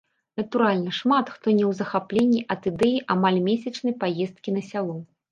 Натуральна, шмат хто не ў захапленні ад ідэі амаль месячнай паездкі на сяло.